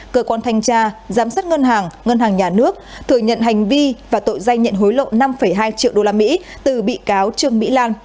cơ quan thanh tra giám sát ngân hàng ngân hàng nhà nước thừa nhận hành vi và tội danh nhận hối lộ năm hai triệu usd từ bị cáo trương mỹ lan